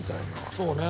そうね。